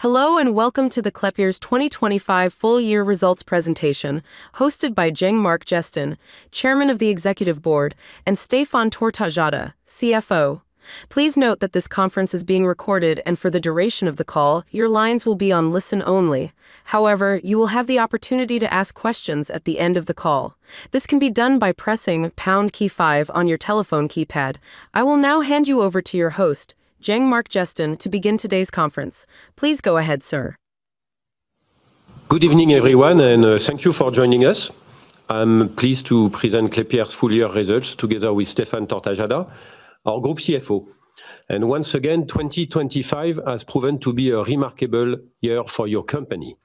Hello, and welcome to the Klépierre's 2025 full year results presentation, hosted by Jean-Marc Jestin, Chairman of the Executive Board, and Stéphane Tortajada, CFO. Please note that this conference is being recorded, and for the duration of the call, your lines will be on listen-only. However, you will have the opportunity to ask questions at the end of the call. This can be done by pressing pound key five on your telephone keypad. I will now hand you over to your host, Jean-Marc Jestin, to begin today's conference. Please go ahead, sir. Good evening, everyone, and thank you for joining us. I'm pleased to present Klépierre's full year results together with Stéphane Tortajada, our Group CFO. Once again, 2025 has proven to be a remarkable year for your company.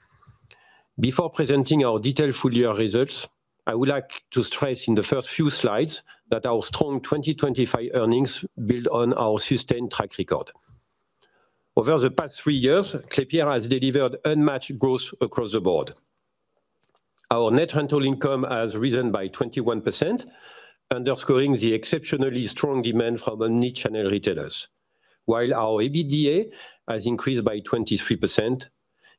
Before presenting our detailed full year results, I would like to stress in the first few slides that our strong 2025 earnings build on our sustained track record. Over the past three years, Klépierre has delivered unmatched growth across the board. Our net rental income has risen by 21%, underscoring the exceptionally strong demand from our niche and end retailers, while our EBITDA has increased by 23%,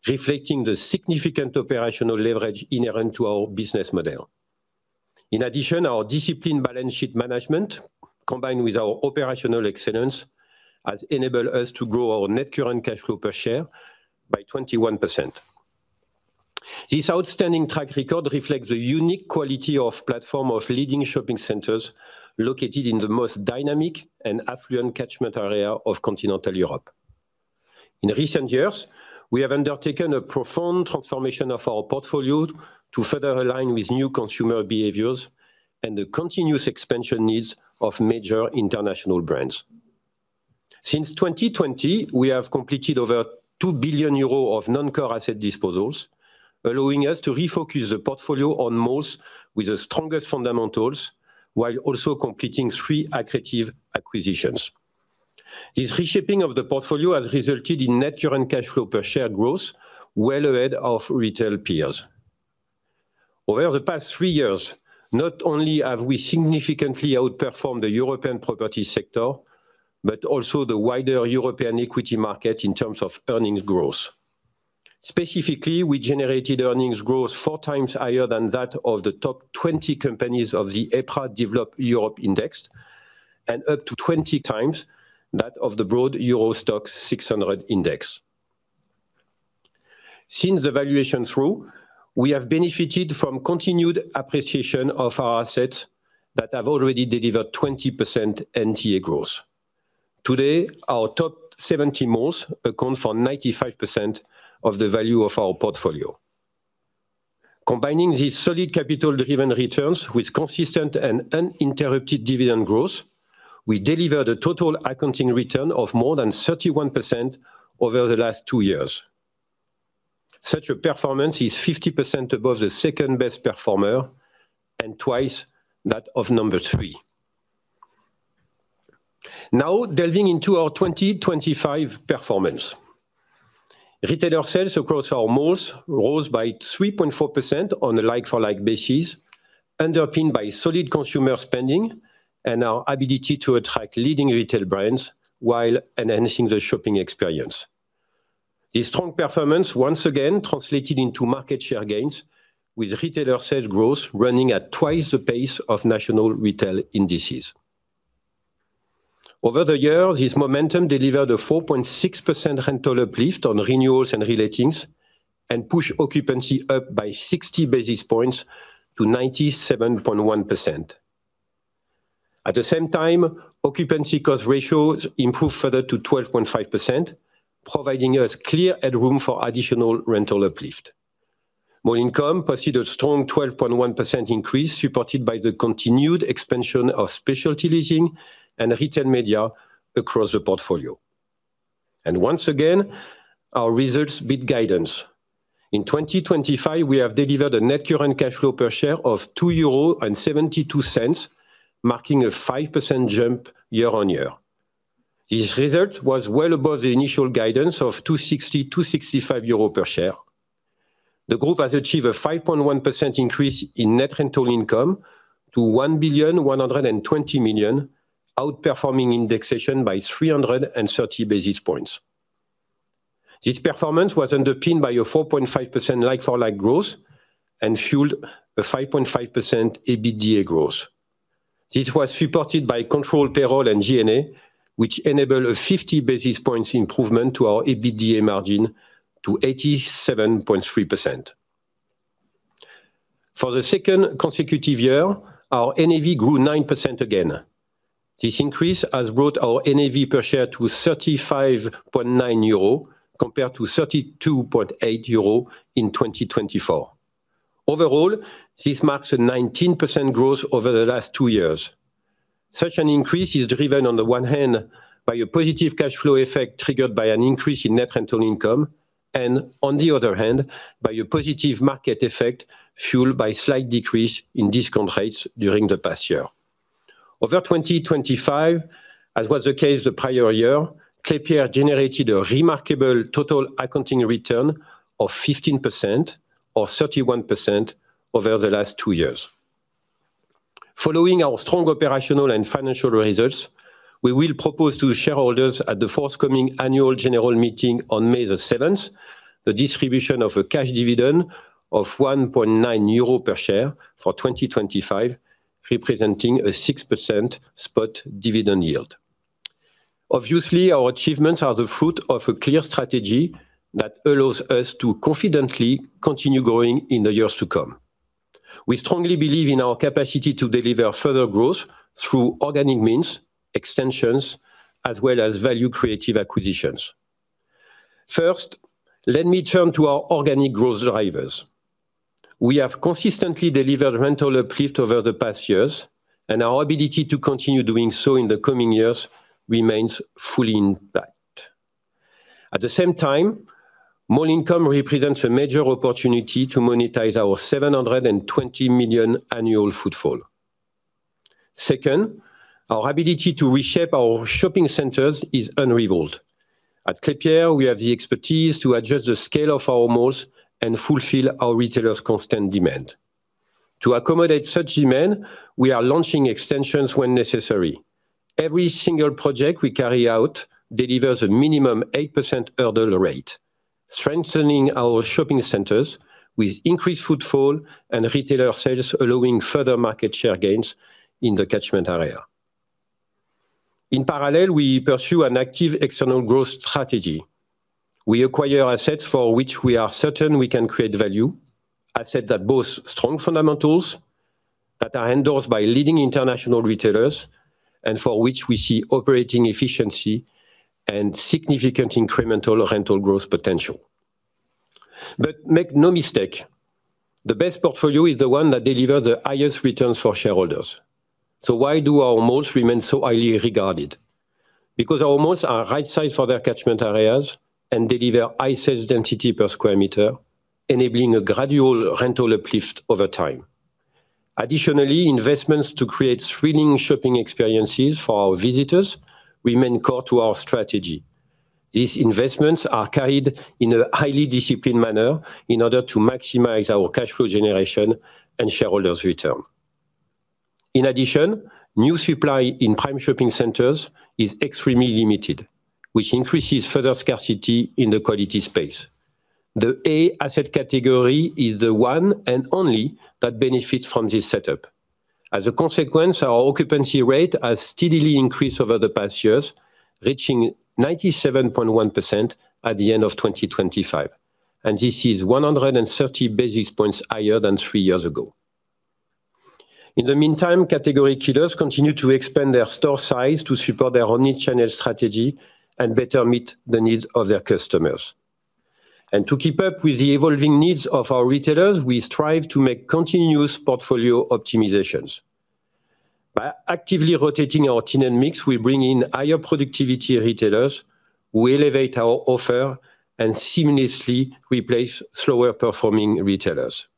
reflecting the significant operational leverage inherent to our business model. In addition, our disciplined balance sheet management, combined with our operational excellence, has enabled us to grow our net current cash flow per share by 21%. This outstanding track record reflects the unique quality of platform of leading shopping centers located in the most dynamic and affluent catchment area of continental Europe. In recent years, we have undertaken a profound transformation of our portfolio to further align with new consumer behaviors and the continuous expansion needs of major international brands. Since 2020, we have completed over 2 billion euros of non-core asset disposals, allowing us to refocus the portfolio on malls with the strongest fundamentals, while also completing three accretive acquisitions. This reshaping of the portfolio has resulted in net current cash flow per share growth well ahead of retail peers. Over the past three years, not only have we significantly outperformed the European property sector, but also the wider European equity market in terms of earnings growth. Specifically, we generated earnings growth 4x higher than that of the top 20 companies of the EPRA Developed Europe Index, and up to 20x that of the broad STOXX Europe 600 Index. Since the valuation trough, we have benefited from continued appreciation of our assets that have already delivered 20% NTA growth. Today, our top 70 malls account for 95% of the value of our portfolio. Combining these solid capital-driven returns with consistent and uninterrupted dividend growth, we delivered a total accounting return of more than 31% over the last two years. Such a performance is 50% above the second-best performer and twice that of number three. Now, delving into our 2025 performance. Retailer sales across our malls rose by 3.4% on a like-for-like basis, underpinned by solid consumer spending and our ability to attract leading retail brands while enhancing the shopping experience. This strong performance once again translated into market share gains, with retailer sales growth running at twice the pace of national retail indices. Over the years, this momentum delivered a 4.6% rental uplift on renewals and relatings, and pushed occupancy up by 60 basis points to 97.1%. At the same time, occupancy cost ratios improved further to 12.5%, providing us clear headroom for additional rental uplift. Mall income pursued a strong 12.1% increase, supported by the continued expansion of specialty leasing and retail media across the portfolio. And once again, our results beat guidance. In 2025, we have delivered a net current cash flow per share of 2.72 euro, marking a 5% jump year-on-year. This result was well above the initial guidance of 2.60-2.65 euro per share. The group has achieved a 5.1% increase in net rental income to 1.12 billion, outperforming indexation by 330 basis points. This performance was underpinned by a 4.5% like-for-like growth and fueled a 5.5% EBITDA growth. This was supported by controlled payroll and G&A, which enabled a 50 basis points improvement to our EBITDA margin to 87.3%. For the second consecutive year, our NAV grew 9% again. This increase has brought our NAV per share to 35.9 euro, compared to 32.8 euro in 2024. Overall, this marks a 19% growth over the last two years. Such an increase is driven, on the one hand, by a positive cash flow effect triggered by an increase in net rental income, and on the other hand, by a positive market effect fueled by slight decrease in discount rates during the past year. Over 2025, as was the case the prior year, Klépierre generated a remarkable total accounting return of 15% or 31% over the last two years. Following our strong operational and financial results, we will propose to shareholders at the forthcoming annual general meeting on May 7, the distribution of a cash dividend of 1.9 euro per share for 2025, representing a 6% spot dividend yield. Obviously, our achievements are the fruit of a clear strategy that allows us to confidently continue growing in the years to come. We strongly believe in our capacity to deliver further growth through organic means, extensions, as well as value creative acquisitions. First, let me turn to our organic growth drivers. We have consistently delivered rental uplift over the past years, and our ability to continue doing so in the coming years remains fully intact. At the same time, mall income represents a major opportunity to monetize our 720 million annual footfall. Second, our ability to reshape our shopping centers is unrivaled. At Klépierre, we have the expertise to adjust the scale of our malls and fulfill our retailers' constant demand. To accommodate such demand, we are launching extensions when necessary. Every single project we carry out delivers a minimum 8% hurdle rate, strengthening our shopping centers with increased footfall and retailer sales, allowing further market share gains in the catchment area. In parallel, we pursue an active external growth strategy. We acquire assets for which we are certain we can create value, assets that have both strong fundamentals that are endorsed by leading international retailers, and for which we see operating efficiency and significant incremental rental growth potential. But make no mistake, the best portfolio is the one that delivers the highest returns for shareholders. So why do our malls remain so highly regarded? Because our malls are right-sized for their catchment areas and deliver high sales density per square meter, enabling a gradual rental uplift over time. Additionally, investments to create thrilling shopping experiences for our visitors remain core to our strategy. These investments are carried in a highly disciplined manner in order to maximize our cash flow generation and shareholders' return. In addition, new supply in prime shopping centers is extremely limited, which increases further scarcity in the quality space. The A asset category is the one and only that benefits from this setup. As a consequence, our occupancy rate has steadily increased over the past years, reaching 97.1% at the end of 2025, and this is 130 basis points higher than three years ago. In the meantime, category killers continue to expand their store size to support their omnichannel strategy and better meet the needs of their customers. To keep up with the evolving needs of our retailers, we strive to make continuous portfolio optimizations. By actively rotating our tenant mix, we bring in higher productivity retailers, we elevate our offer, and seamlessly replace slower-performing retailers.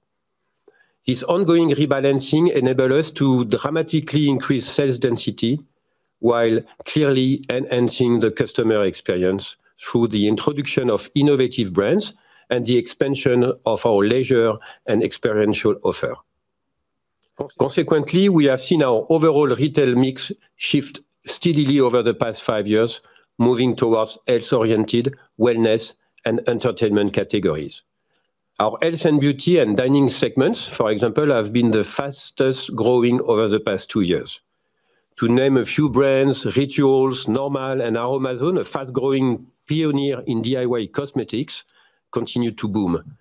This ongoing rebalancing enable us to dramatically increase sales density while clearly enhancing the customer experience through the introduction of innovative brands and the expansion of our leisure and experiential offer. Consequently, we have seen our overall retail mix shift steadily over the past five years, moving towards health-oriented, wellness, and entertainment categories. Our health and beauty and dining segments, for example, have been the fastest growing over the past two years. To name a few brands, Rituals, Normal, and Aroma-Zone, a fast-growing pioneer in DIY cosmetics, continue to boom.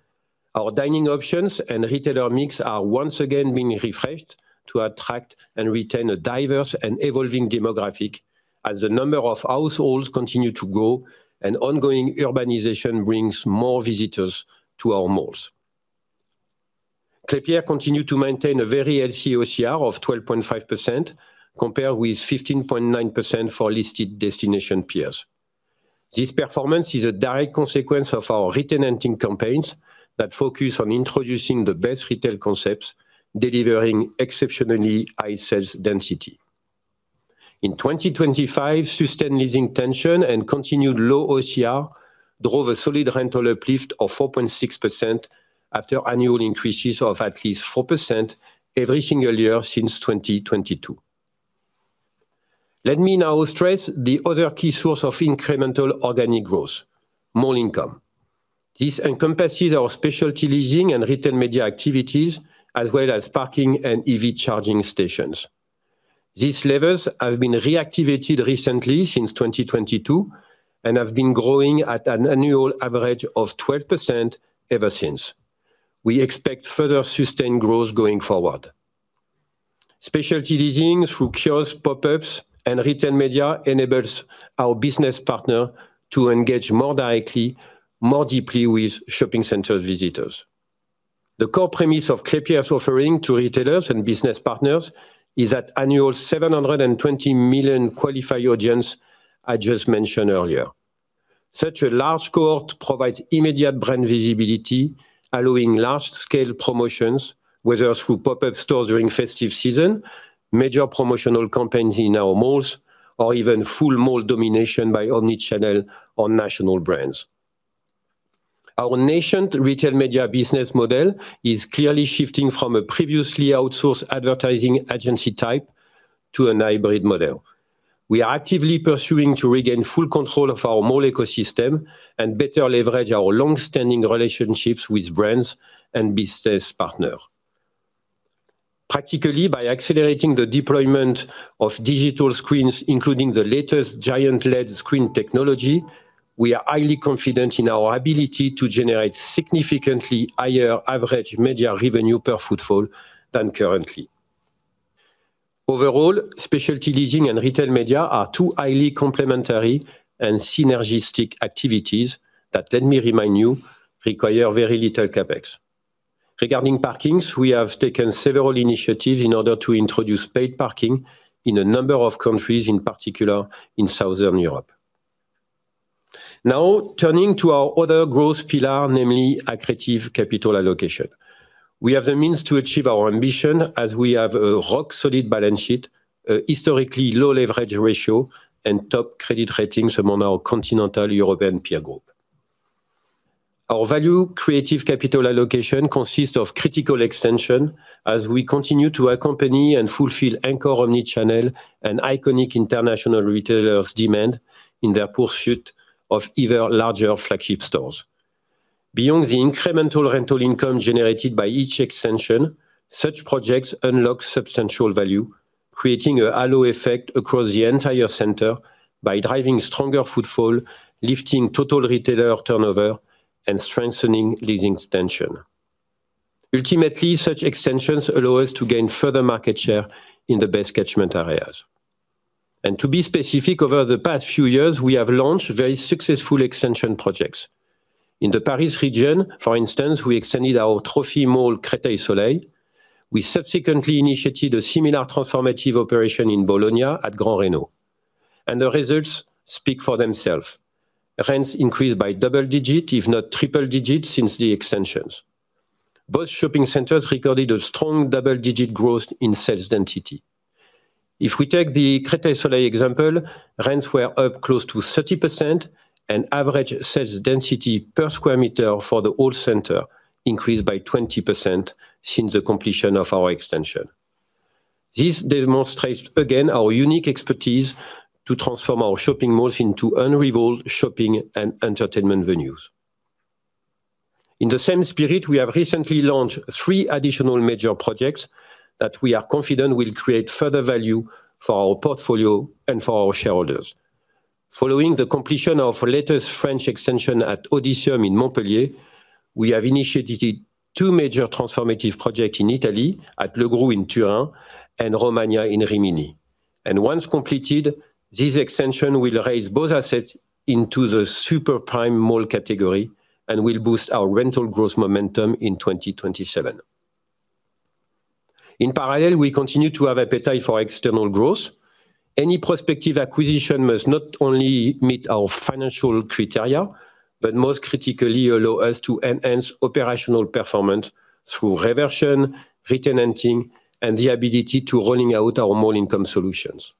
Our dining options and retailer mix are once again being refreshed to attract and retain a diverse and evolving demographic as the number of households continue to grow and ongoing urbanization brings more visitors to our malls. Klépierre continue to maintain a very healthy OCR of 12.5%, compared with 15.9% for listed destination peers. This performance is a direct consequence of our re-tenanting campaigns that focus on introducing the best retail concepts, delivering exceptionally high sales density. In 2025, sustained leasing tension and continued low OCR drove a solid rental uplift of 4.6% after annual increases of at least 4% every single year since 2022. Let me now stress the other key source of incremental organic growth, mall income. This encompasses our specialty leasing and retail media activities, as well as parking and EV charging stations. These levels have been reactivated recently since 2022 and have been growing at an annual average of 12% ever since. We expect further sustained growth going forward. Specialty leasing through kiosks, pop-ups, and retail media enables our business partner to engage more directly, more deeply with shopping center visitors. The core premise of Klépierre's offering to retailers and business partners is that annual 720 million qualified audience I just mentioned earlier. Such a large cohort provides immediate brand visibility, allowing large-scale promotions, whether through pop-up stores during festive season, major promotional campaigns in our malls, or even full mall domination by omnichannel or national brands. Our national retail media business model is clearly shifting from a previously outsourced advertising agency type to a hybrid model. We are actively pursuing to regain full control of our mall ecosystem and better leverage our long-standing relationships with brands and business partner. Practically, by accelerating the deployment of digital screens, including the latest giant LED screen technology, we are highly confident in our ability to generate significantly higher average media revenue per footfall than currently. Overall, specialty leasing and retail media are two highly complementary and synergistic activities that, let me remind you, require very little CapEx. Regarding parking, we have taken several initiatives in order to introduce paid parking in a number of countries, in particular in Southern Europe. Now, turning to our other growth pillar, namely accretive capital allocation. We have the means to achieve our ambition, as we have a rock solid balance sheet, a historically low leverage ratio, and top credit ratings among our continental European peer group. Our value creative capital allocation consists of critical extension as we continue to accompany and fulfill anchor omni-channel and iconic international retailers' demand in their pursuit of even larger flagship stores. Beyond the incremental rental income generated by each extension, such projects unlock substantial value, creating a halo effect across the entire center by driving stronger footfall, lifting total retailer turnover, and strengthening leasing extension. Ultimately, such extensions allow us to gain further market share in the best catchment areas. To be specific, over the past few years, we have launched very successful extension projects. In the Paris region, for instance, we extended our trophy mall, Créteil Soleil. We subsequently initiated a similar transformative operation in Bologna at Gran Reno, and the results speak for themselves. Rents increased by double-digit, if not triple-digit, since the extensions. Both shopping centers recorded a strong double-digit growth in sales density. If we take the Créteil Soleil example, rents were up close to 30%, and average sales density per square meter for the whole center increased by 20% since the completion of our extension. This demonstrates, again, our unique expertise to transform our shopping malls into unrivaled shopping and entertainment venues. In the same spirit, we have recently launched three additional major projects that we are confident will create further value for our portfolio and for our shareholders. Following the completion of latest French extension at Odysseum in Montpellier, we have initiated two major transformative projects in Italy, at Le Gru in Turin and Romagna in Rimini. Once completed, this extension will raise both assets into the super prime mall category and will boost our rental growth momentum in 2027. In parallel, we continue to have appetite for external growth. Any prospective acquisition must not only meet our financial criteria, but most critically, allow us to enhance operational performance through reversion, re-tenanting, and the ability to roll out our mall income solutions.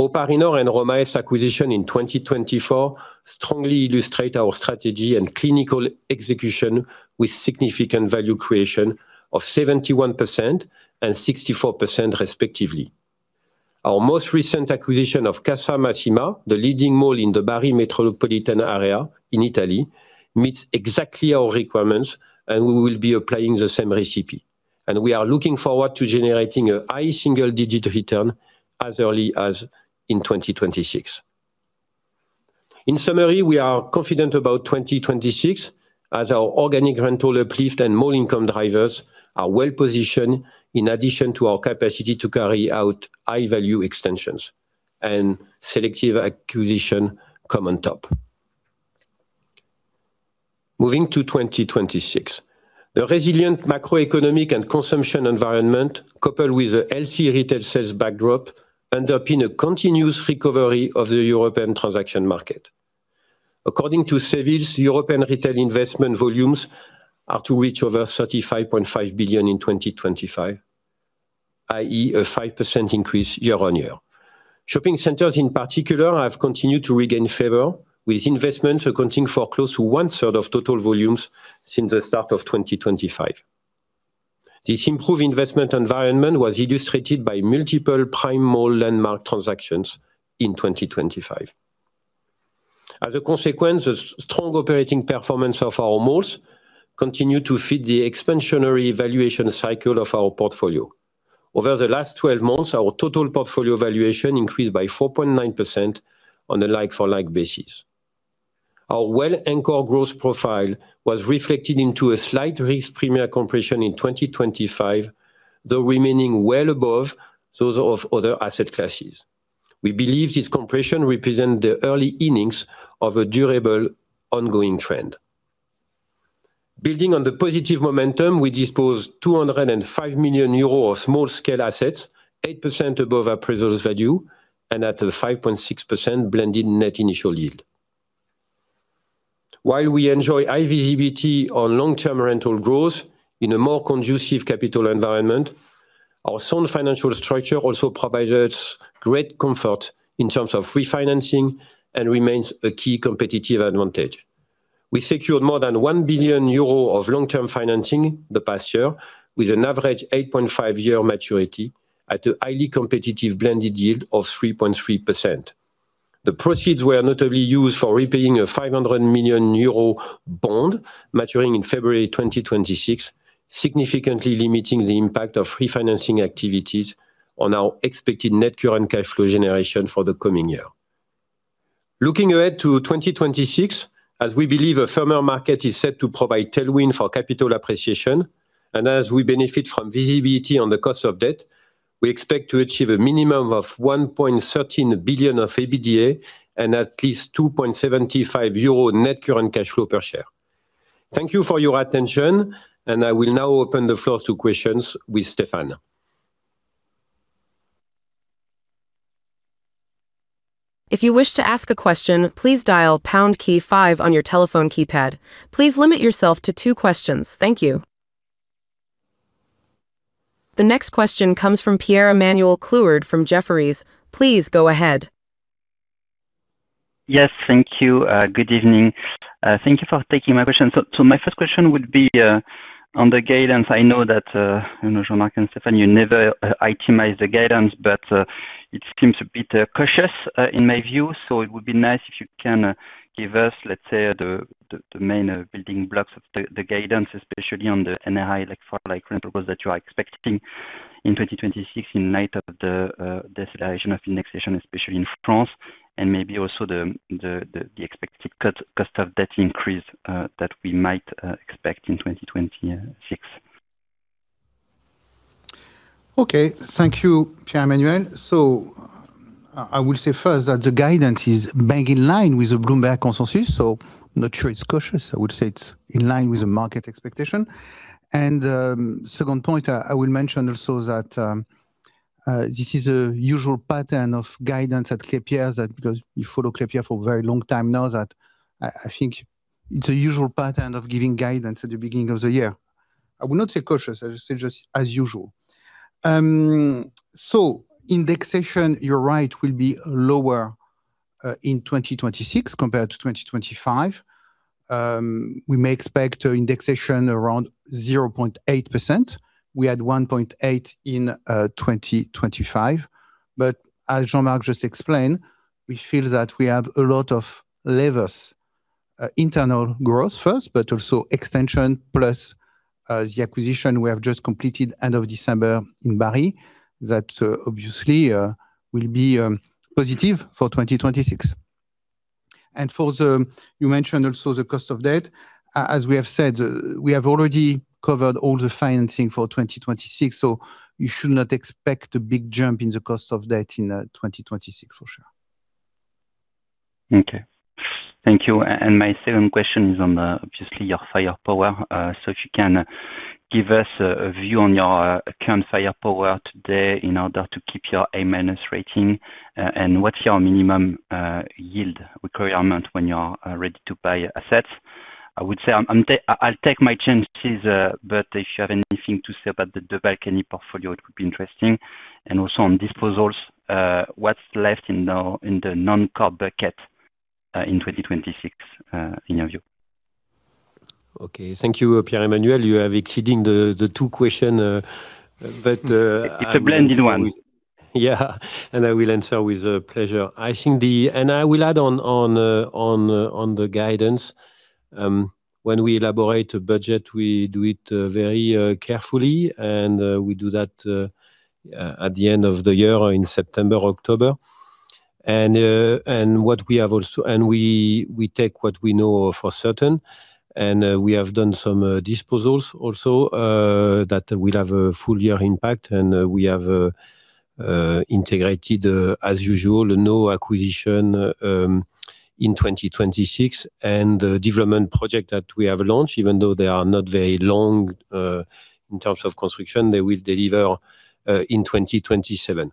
O'Parinor and RomaEst acquisition in 2024 strongly illustrate our strategy and clinical execution with significant value creation of 71% and 64%, respectively. Our most recent acquisition of Casamassima, the leading mall in the Bari metropolitan area in Italy, meets exactly our requirements, and we will be applying the same recipe. We are looking forward to generating a high single-digit return as early as in 2026. In summary, we are confident about 2026 as our organic rental uplift and mall income drivers are well positioned, in addition to our capacity to carry out high-value extensions and selective acquisitions come on top. Moving to 2026. The resilient macroeconomic and consumption environment, coupled with a healthy retail sales backdrop, underpin a continuous recovery of the European transaction market. According to Savills, European retail investment volumes are to reach over 35.5 billion in 2025, i.e., a 5% increase year-on-year. Shopping centers, in particular, have continued to regain favor, with investments accounting for close to one third of total volumes since the start of 2025. This improved investment environment was illustrated by multiple prime mall landmark transactions in 2025. As a consequence, the strong operating performance of our malls continue to feed the expansionary valuation cycle of our portfolio. Over the last 12 months, our total portfolio valuation increased by 4.9% on a like-for-like basis. Our well-anchored growth profile was reflected into a slight risk premium compression in 2025, though remaining well above those of other asset classes. We believe this compression represent the early innings of a durable, ongoing trend. Building on the positive momentum, we disposed 205 million euros of small-scale assets, 8% above our appraisal value and at a 5.6% blended net initial yield. While we enjoy high visibility on long-term rental growth in a more conducive capital environment, Our sound financial structure also provides us great comfort in terms of refinancing and remains a key competitive advantage. We secured more than 1 billion euro of long-term financing the past year, with an average 8.5-year maturity at a highly competitive blended yield of 3.3%. The proceeds were notably used for repaying a 500 million euro bond maturing in February 2026, significantly limiting the impact of refinancing activities on our expected net current cash flow generation for the coming year. Looking ahead to 2026, as we believe a firmer market is set to provide tailwind for capital appreciation, and as we benefit from visibility on the cost of debt, we expect to achieve a minimum of 1.13 billion of EBITDA and at least 2.75 euro net current cash flow per share. Thank you for your attention, and I will now open the floor to questions with Stéphane. If you wish to ask a question, please dial pound key five on your telephone keypad. Please limit yourself to two questions. Thank you. The next question comes from Pierre-Emmanuel Clouard from Jefferies. Please go ahead. Yes, thank you. Good evening. Thank you for taking my question. So my first question would be on the guidance. I know that I know Jean-Marc and Stéphane, you never itemize the guidance, but it seems a bit cautious in my view. So it would be nice if you can give us, let's say, the main building blocks of the guidance, especially on the NRI, like for like rentables that you are expecting in 2026 in light of the deceleration of indexation, especially in France, and maybe also the expected cost of debt increase that we might expect in 2026. Okay. Thank you, Pierre-Emmanuel. So I will say first that the guidance is bang in line with the Bloomberg consensus, so not sure it's cautious. I would say it's in line with the market expectation. Second point, I will mention also that this is a usual pattern of guidance at Klépierre, that because you follow Klépierre for a very long time now, that I think it's a usual pattern of giving guidance at the beginning of the year. I would not say cautious, I would say just as usual. So indexation, you're right, will be lower in 2026 compared to 2025. We may expect indexation around 0.8%. We had 1.8% in 2025. But as Jean-Marc just explained, we feel that we have a lot of levers, internal growth first, but also extension, plus, the acquisition we have just completed end of December in Bari, that, obviously, will be positive for 2026. And for the... You mentioned also the cost of debt. As we have said, we have already covered all the financing for 2026, so you should not expect a big jump in the cost of debt in 2026, for sure. Okay. Thank you. And my second question is on, obviously your firepower. So if you can give us a view on your current firepower today in order to keep your A- rating, and what's your minimum yield requirement when you are ready to buy assets? I would say I'll take my chances, but if you have anything to say about the balcony portfolio, it would be interesting. And also on disposals, what's left in the non-core bucket in 2026, in your view? Okay. Thank you, Pierre-Emmanuel. You have exceeding the two question, but- It's a blended one. Yeah. And I will answer with pleasure. I think. And I will add on the guidance. When we elaborate a budget, we do it very carefully, and we do that at the end of the year or in September, October. And what we have also, and we take what we know for certain, and we have done some disposals also that will have a full year impact. And we have integrated, as usual, no acquisition in 2026. And the development project that we have launched, even though they are not very long in terms of construction, they will deliver in 2027.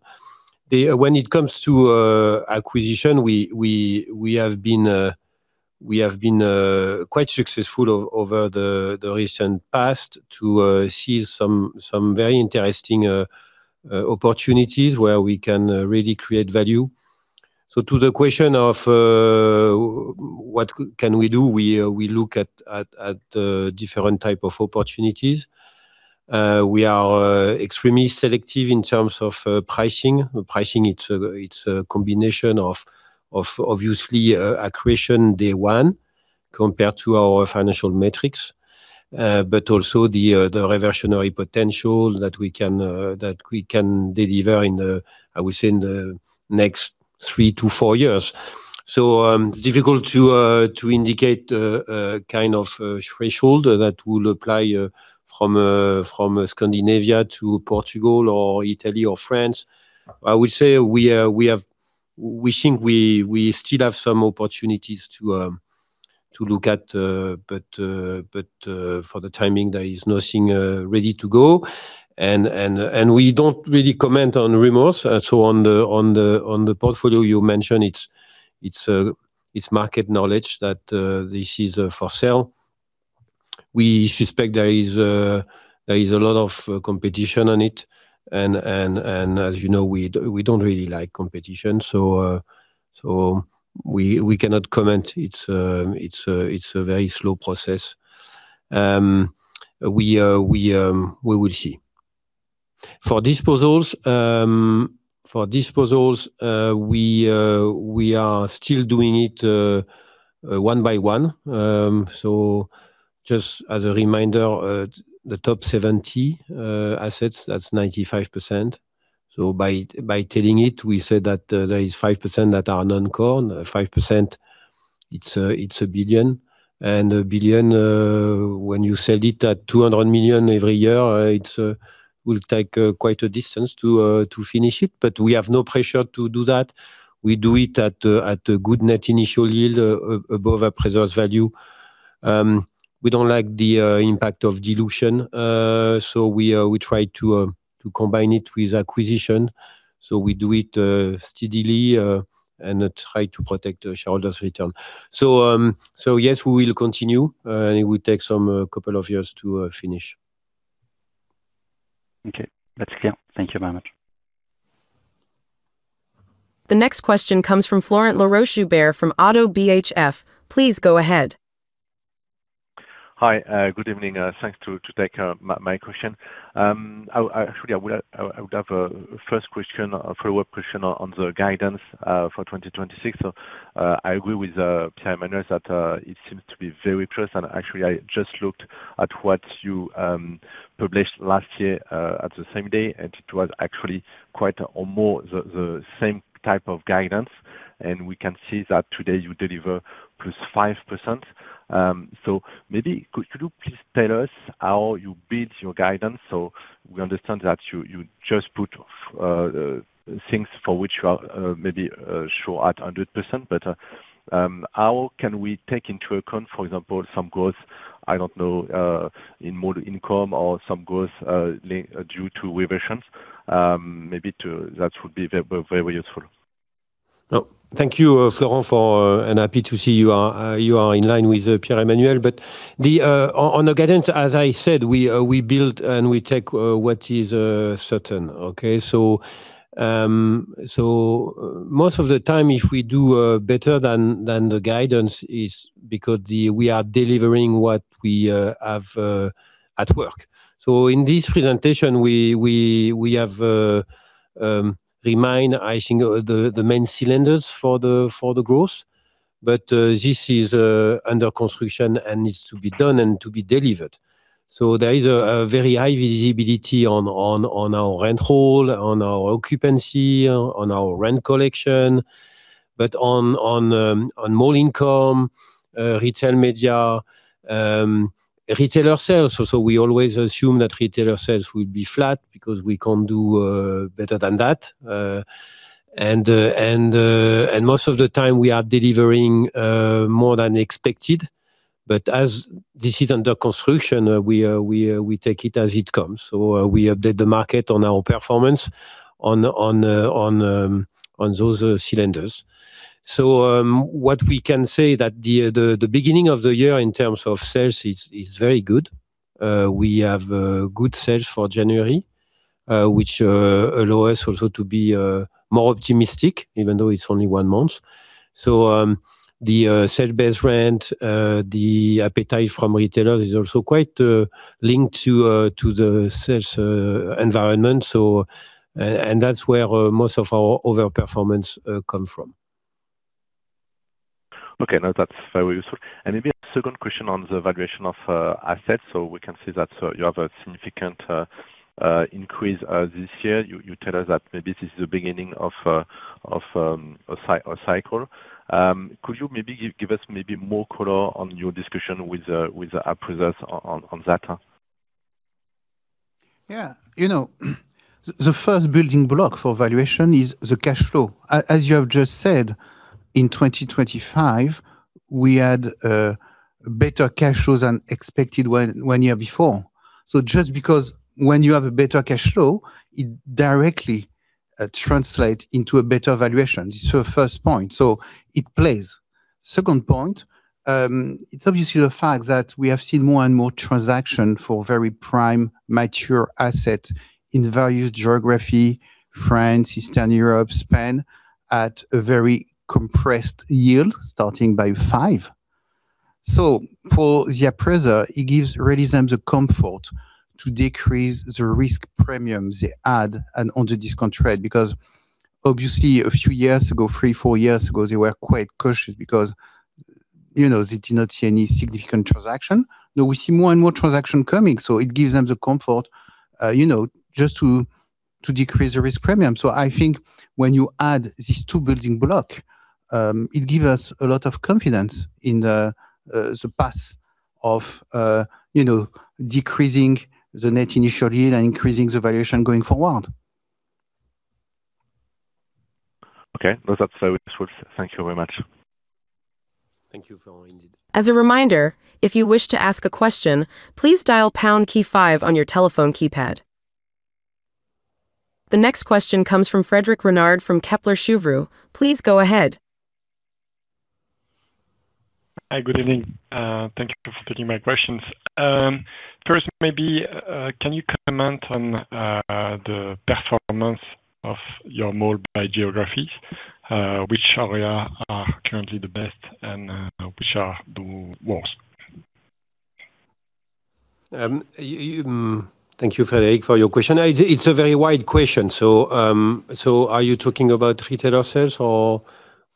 When it comes to acquisition, we have been quite successful over the recent past to see some very interesting opportunities where we can really create value. So to the question of what can we do? We look at different type of opportunities. We are extremely selective in terms of pricing. Pricing, it's a combination of obviously accretion day one compared to our financial metrics, but also the reversionary potential that we can deliver within the next three to four years. So, difficult to indicate a kind of threshold that would apply from Scandinavia to Portugal or Italy or France. I would say we have, we think we still have some opportunities to look at, but for the timing, there is nothing ready to go. And we don't really comment on rumors. So on the portfolio you mentioned, it's market knowledge that this is for sale. We suspect there is a lot of competition on it, and as you know, we don't really like competition, so we cannot comment. It's a very slow process. We will see. For disposals, we are still doing it one by one. So just as a reminder, the top 70 assets, that's 95%. So by telling it, we say that there is 5% that are non-core. 5%, it's 1 billion, and 1 billion when you sell it at 200 million every year, it will take quite a distance to finish it, but we have no pressure to do that. We do it at a good net initial yield above our preserved value. We don't like the impact of dilution, so we try to combine it with acquisition. So we do it steadily and try to protect the shareholders' return. So yes, we will continue, and it will take some couple of years to finish. Okay. That's clear. Thank you very much. The next question comes from Florent Laroche-Joubert from ODDO BHF. Please go ahead. Hi, good evening. Thanks to take my question. I actually would have a first question, a follow-up question on the guidance for 2026. So, I agree with Pierre-Emmanuel that it seems to be very precise. And actually, I just looked at what you published last year at the same day, and it was actually quite or more the same type of guidance, and we can see that today you deliver +5%. So maybe could you please tell us how you build your guidance? So we understand that you, you just put things for which you are maybe sure at 100%, but how can we take into account, for example, some growth, I don't know, in more income or some growth due to revisions? That would be very, very useful. Oh, thank you, Florent, and happy to see you are, you are in line with, Pierre-Emmanuel. But on the guidance, as I said, we build and we take what is certain, okay? So, most of the time, if we do better than the guidance, is because we are delivering what we have at work. So in this presentation, we have remind, I think, the main cylinders for the growth, but this is under construction and needs to be done and to be delivered. So there is a very high visibility on our rent roll, on our occupancy, on our rent collection, but on more income, retail media, retailer sales. So we always assume that retailer sales will be flat because we can't do better than that. And most of the time we are delivering more than expected, but as this is under construction, we take it as it comes. So we update the market on our performance on those cylinders. So what we can say that the beginning of the year in terms of sales is very good. We have good sales for January, which allow us also to be more optimistic, even though it's only one month. So the sale base rent, the appetite from retailers is also quite linked to the sales environment. So, and that's where most of our overperformance come from. Okay, now that's very useful. And maybe a second question on the valuation of assets. So we can see that you have a significant increase this year. You tell us that maybe this is the beginning of a cycle. Could you maybe give us more color on your discussion with appraisers on that? Yeah. You know, the first building block for valuation is the cash flow. As you have just said, in 2025, we had better cash flows than expected when one year before. So just because when you have a better cash flow, it directly translates into a better valuation. This is the first point, so it plays. Second point, it's obviously the fact that we have seen more and more transactions for very prime, mature assets in various geographies, France, Eastern Europe, Spain, at a very compressed yield, starting at 5. So for the appraisers, it gives really them the comfort to decrease the risk premiums they add on the discount rate, because obviously, a few years ago, 3, 4 years ago, they were quite cautious because, you know, they did not see any significant transactions. Now we see more and more transaction coming, so it gives them the comfort, you know, just to decrease the risk premium. So I think when you add these two building block, it give us a lot of confidence in the path of, you know, decreasing the net initial yield and increasing the valuation going forward. Okay. Well, that's very useful. Thank you very much. Thank you, Florent, indeed. As a reminder, if you wish to ask a question, please dial pound key five on your telephone keypad.... The next question comes from Frédéric Renard from Kepler Cheuvreux. Please go ahead. Hi, good evening. Thank you for taking my questions. First, maybe, can you comment on the performance of your mall by geographies? Which area are currently the best and which are the worst? Thank you, Frédéric, for your question. It's a very wide question. So, are you talking about retailer sales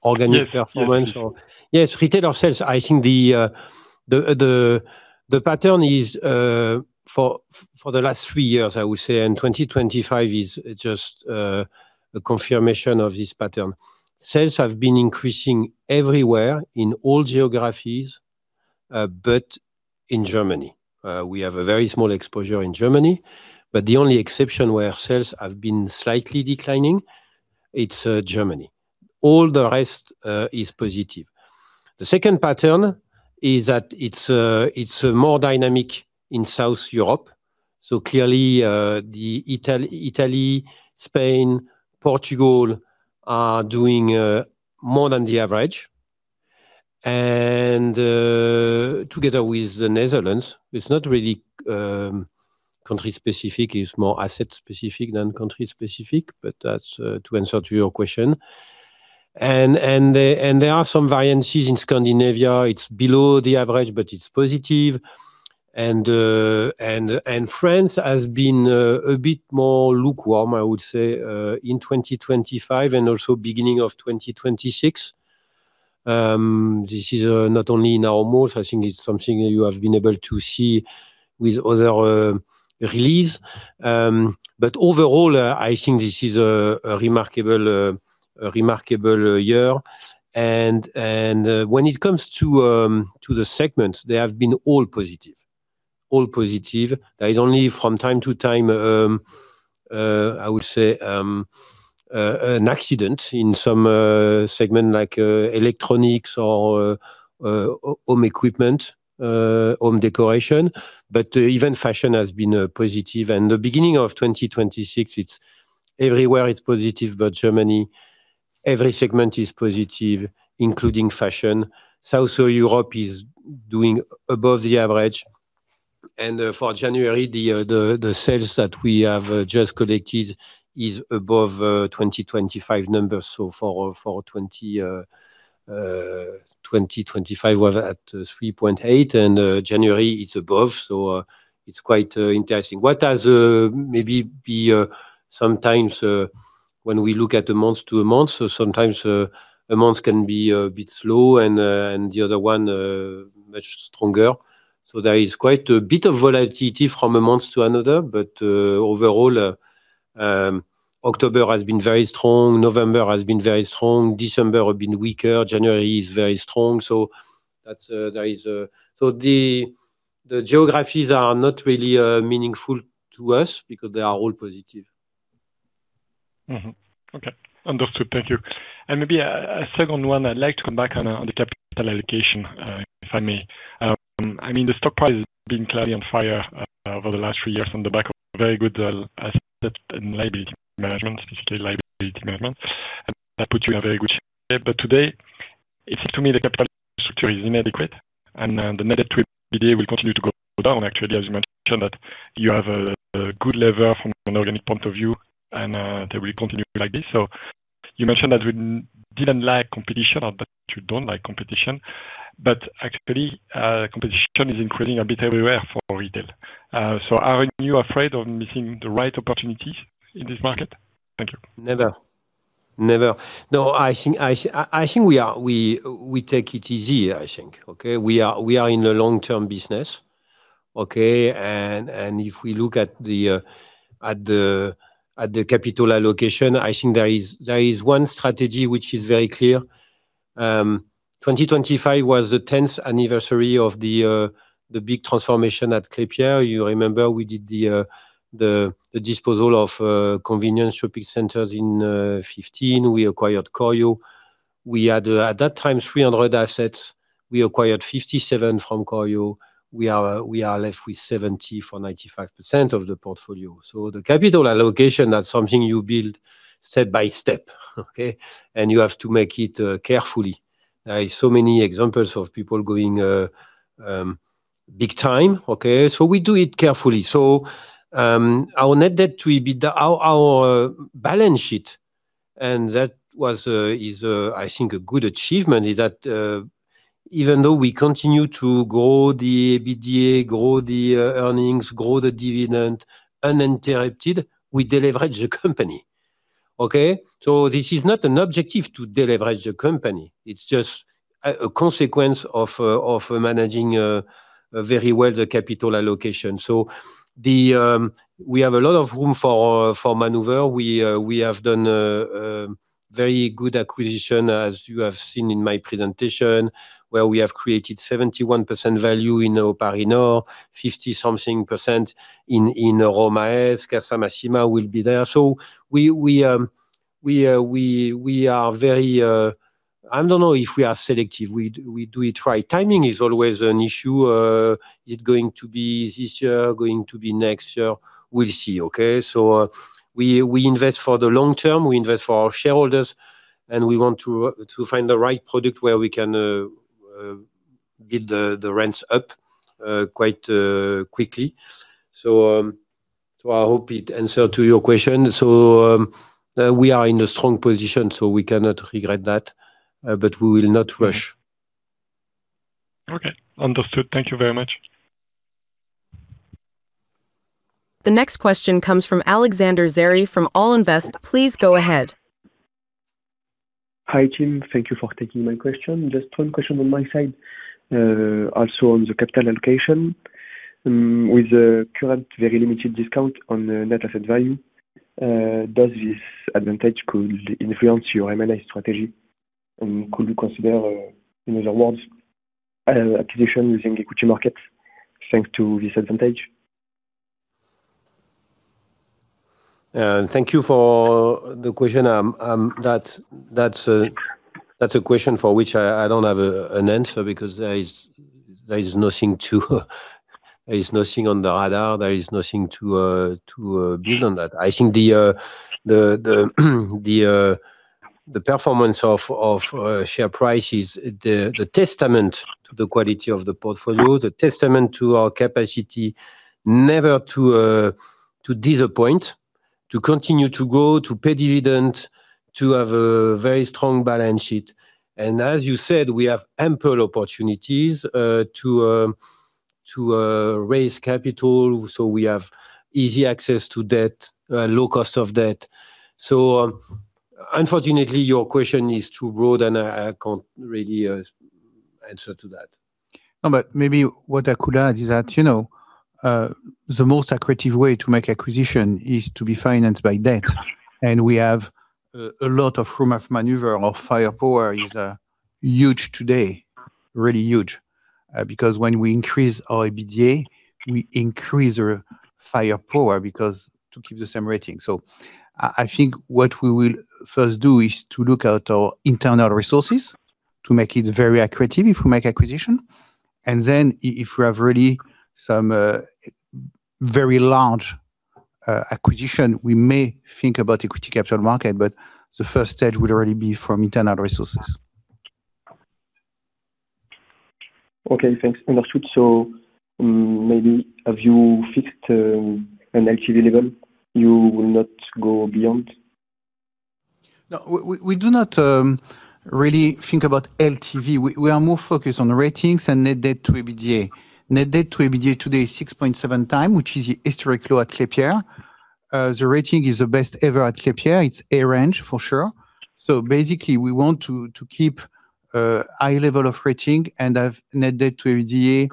or organic performance or- Yes. Yes, retailer sales. I think the pattern is for the last three years, I would say, and 2025 is just a confirmation of this pattern. Sales have been increasing everywhere in all geographies, but in Germany. We have a very small exposure in Germany, but the only exception where sales have been slightly declining, it's Germany. All the rest is positive. The second pattern is that it's more dynamic in South Europe. So clearly, Italy, Spain, Portugal, are doing more than the average. Together with the Netherlands, it's not really country-specific. It's more asset-specific than country-specific, but that's to answer to your question. And there are some variances in Scandinavia. It's below the average, but it's positive. France has been a bit more lukewarm, I would say, in 2025 and also beginning of 2026. This is not only in our malls, I think it's something you have been able to see with other release. But overall, I think this is a remarkable year. When it comes to the segments, they have been all positive. All positive. There is only from time to time, I would say, an accident in some segment like electronics or home equipment, home decoration, but even fashion has been positive. And the beginning of 2026, it's everywhere it's positive, but Germany, every segment is positive, including fashion. Southern Europe is doing above the average, and for January, the sales that we have just collected is above 2025 numbers. So for 2025 was at 3.8, and January, it's above. So it's quite interesting. What has maybe be sometimes when we look at the month-to-month, so sometimes a month can be a bit slow and the other one much stronger. So there is quite a bit of volatility from a month to another, but overall, October has been very strong, November has been very strong, December have been weaker, January is very strong. So that's there is a so the geographies are not really meaningful to us because they are all positive. Mm-hmm. Okay. Understood. Thank you. And maybe a second one. I'd like to come back on the capital allocation, if I may. I mean, the stock price has been clearly on fire over the last three years on the back of very good asset and liability management, liability management. That puts you in a very good shape. But today, it seems to me the capital structure is inadequate, and the net debt EBITDA will continue to go down. Actually, as you mentioned, that you have a good level from an organic point of view, and they will continue like this. So you mentioned that we didn't like competition or that you don't like competition, but actually, competition is increasing a bit everywhere for retail. So aren't you afraid of missing the right opportunities in this market? Thank you. Never. Never. No, I think I think we take it easy, I think, okay? We are, we are in the long-term business, okay? And if we look at the capital allocation, I think there is one strategy which is very clear. 2025 was the tenth anniversary of the big transformation at Klépierre. You remember we did the disposal of convenience shopping centers in 2015. We acquired Corio. We had, at that time, 300 assets. We acquired 57 from Corio. We are, we are left with 70 for 95% of the portfolio. So the capital allocation, that's something you build step by step, okay? And you have to make it carefully. There are so many examples of people going big time, okay? We do it carefully. Our net debt will be our balance sheet, and that is, I think, a good achievement, is that even though we continue to grow the EBITDA, grow the earnings, grow the dividend uninterrupted, we deleveraged the company, okay? This is not an objective to deleverage the company. It's just a consequence of managing very well the capital allocation. We have a lot of room for maneuver. We have done very good acquisition, as you have seen in my presentation, where we have created 71% value in O'Parinor, 50-something percent in RomaEst, Casamassima will be there. We are very— I don't know if we are selective. We do, we do it right. Timing is always an issue. Is it going to be this year, going to be next year? We'll see, okay? So we, we invest for the long term, we invest for our shareholders, and we want to find the right product where we can get the rents up quite quickly. So, I hope it answer to your question. So, we are in a strong position, so we cannot regret that, but we will not rush. Okay, understood. Thank you very much. The next question comes from Alexander Xerri from Allinvest. Please go ahead. Hi, team. Thank you for taking my question. Just one question on my side. Also on the capital allocation. With the current very limited discount on the net asset value, does this advantage could influence your M&A strategy? And could you consider, in other words, acquisition using equity markets, thanks to this advantage? Thank you for the question. That's a question for which I don't have an answer, because there is nothing on the radar, nothing to build on that. I think the performance of share price is the testament to the quality of the portfolio, the testament to our capacity never to disappoint, to continue to grow, to pay dividend, to have a very strong balance sheet. And as you said, we have ample opportunities to raise capital, so we have easy access to debt, low cost of debt. So, unfortunately, your question is too broad, and I can't really answer to that. No, but maybe what I could add is that, you know, the most accretive way to make acquisition is to be financed by debt. And we have a lot of room of maneuver. Our firepower is huge today, really huge. Because when we increase our EBITDA, we increase our firepower because to keep the same rating. So I think what we will first do is to look at our internal resources to make it very accretive if we make acquisition. And then if we have already some very large acquisition, we may think about equity capital market, but the first stage would already be from internal resources. Okay, thanks. Understood. So, maybe have you fixed an LTV level you will not go beyond? No, we do not really think about LTV. We are more focused on ratings and net debt to EBITDA. Net debt to EBITDA today is 6.7x, which is a historic low at Klépierre. The rating is the best ever at Klépierre. It's A range for sure. So basically, we want to keep a high level of rating and have net debt to EBITDA,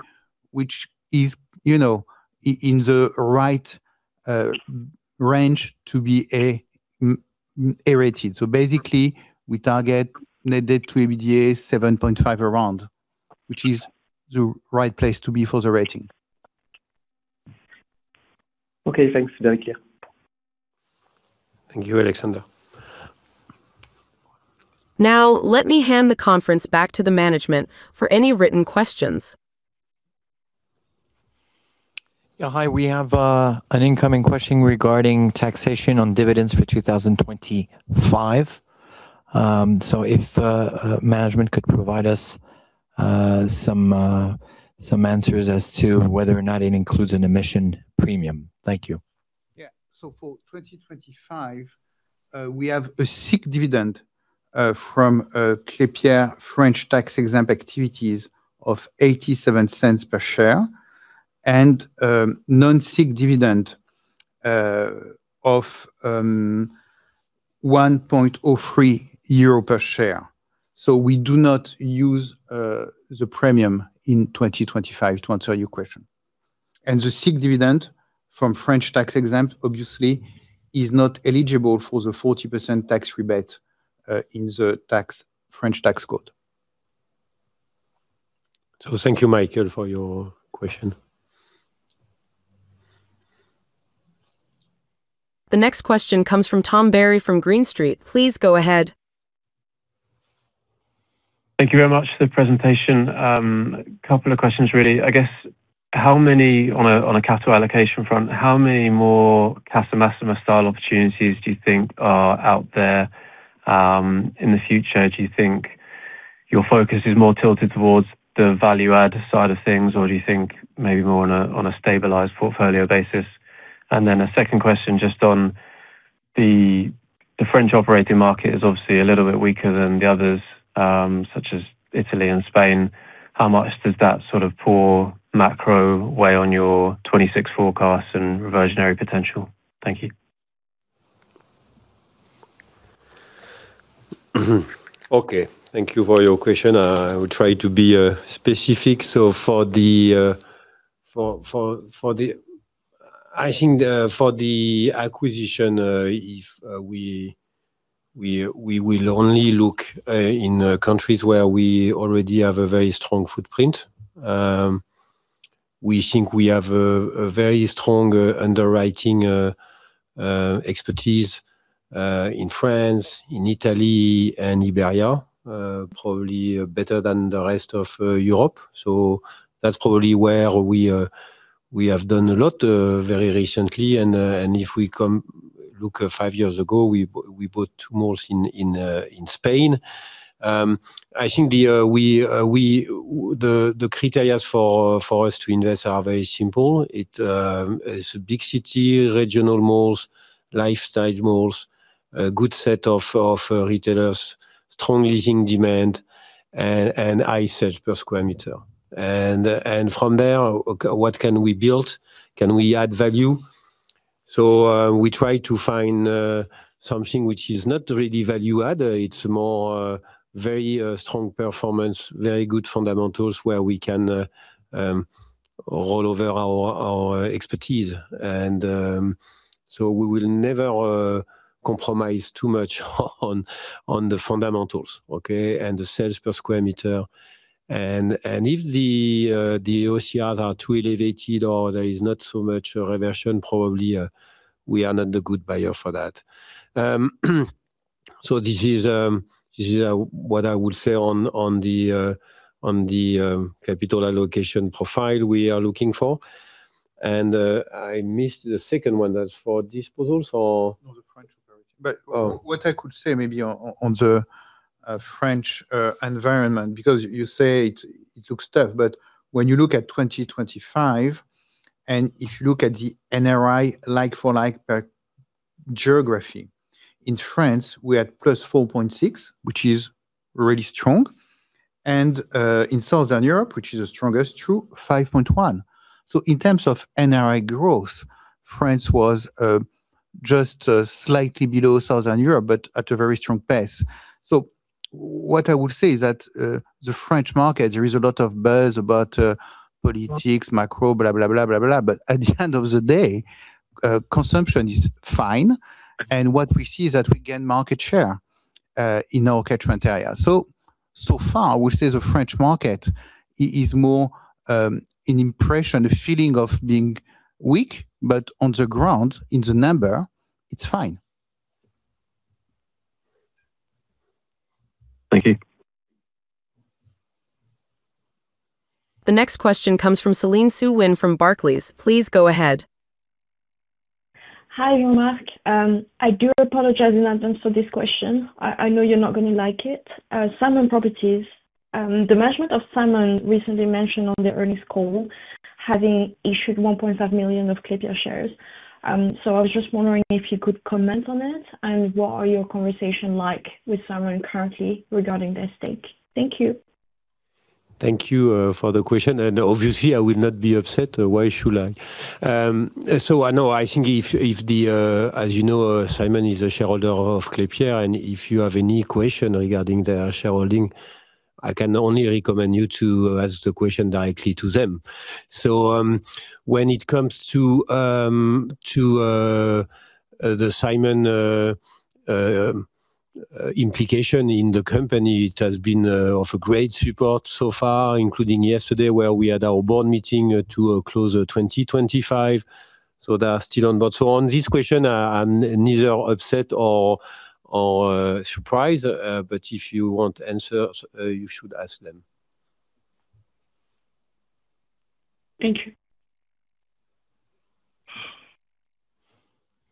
which is, you know, in the right range to be A rated. So basically, we target net debt to EBITDA 7.5 around, which is the right place to be for the rating. Okay, thanks. Thank you. Thank you, Alexandre. Now, let me hand the conference back to the management for any written questions. Yeah, hi. We have an incoming question regarding taxation on dividends for 2025. So if management could provide us some answers as to whether or not it includes an emission premium? Thank you. Yeah. So for 2025, we have a SIIC dividend from Klépierre French tax-exempt activities of 0.87 per share, and non-SIIC dividend of 1.03 euro per share. So we do not use the premium in 2025, to answer your question. And the SIIC dividend from French tax-exempt obviously is not eligible for the 40% tax rebate in the French tax code. Thank you, Michael, for your question. The next question comes from Tom Berry, from Green Street. Please go ahead. Thank you very much for the presentation. A couple of questions really. I guess, how many... on a, on a capital allocation front, how many more Casa Massima style opportunities do you think are out there, in the future? Do you think your focus is more tilted towards the value add side of things, or do you think maybe more on a, on a stabilized portfolio basis? And then a second question, just on the, the French operating market is obviously a little bit weaker than the others, such as Italy and Spain. How much does that sort of poor macro weigh on your 2026 forecasts and reversionary potential? Thank you. Okay, thank you for your question. I will try to be specific. So for the acquisition, we will only look in countries where we already have a very strong footprint. We think we have a very strong underwriting expertise in France, in Italy, and Iberia, probably better than the rest of Europe. So that's probably where we have done a lot very recently. And if we come look five years ago, we bought two malls in Spain. I think the criteria for us to invest are very simple. It is a big city, regional malls, lifestyle malls, a good set of retailers, strong leasing demand, and high sales per square meter. And from there, okay, what can we build? Can we add value? So we try to find something which is not really value-add. It's more very strong performance, very good fundamentals, where we can roll over our expertise. And so we will never compromise too much on the fundamentals, okay? And the sales per square meter. And if the OCR are too elevated or there is not so much reversion, probably we are not the good buyer for that. So this is what I would say on the capital allocation profile we are looking for. I missed the second one. That's for disposals or- No, the French operating. Oh. But what I could say maybe on the French environment, because you say it looks tough, but when you look at 2025, and if you look at the NRI like for like per geography, in France, we had +4.6%, which is really strong, and in Southern Europe, which is the strongest, to 5.1%. So in terms of NRI growth, France was just slightly below Southern Europe, but at a very strong pace. So what I would say is that the French market, there is a lot of buzz about politics, macro, blah, blah, blah, blah, blah. But at the end of the day, consumption is fine, and what we see is that we gain market share in our catchment area. So, so far, we say the French market is more, an impression, a feeling of being weak, but on the ground, in the number, it's fine. Thank you. The next question comes from Céline Soo-Huynh from Barclays. Please go ahead. Hi, Jean-Marc. I do apologize in advance for this question. I know you're not gonna like it. Simon Property Group, the management of Simon recently mentioned on the earnings call, having issued 1.5 million of Klépierre shares. So I was just wondering if you could comment on it, and what are your conversation like with Simon currently regarding their stake? Thank you. Thank you for the question, and obviously, I will not be upset. Why should I? So I know. As you know, Simon is a shareholder of Klépierre, and if you have any question regarding their shareholding, I can only recommend you to ask the question directly to them. So, when it comes to the Simon implication in the company, it has been of a great support so far, including yesterday, where we had our board meeting to close 2025, so they are still on board. So on this question, I'm neither upset or surprised, but if you want answers, you should ask them. Thank you.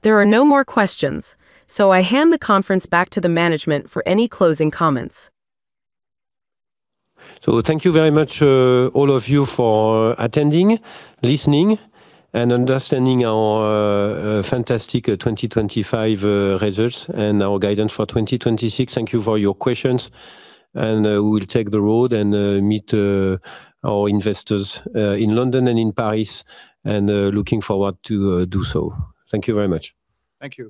There are no more questions, so I hand the conference back to the management for any closing comments. So thank you very much, all of you, for attending, listening, and understanding our fantastic 2025 results and our guidance for 2026. Thank you for your questions, and we will take the road and meet our investors in London and in Paris and looking forward to do so. Thank you very much. Thank you.